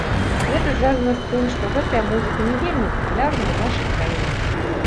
Гэта звязана з тым, што гэтая музыка не вельмі папулярная ў нашай краіне.